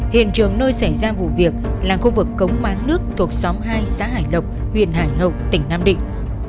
hiện trường nơi xảy ra vụ việc là khu vực cống máng nước thuộc xóm hai xã hải lộc huyện hải hậu tỉnh nam định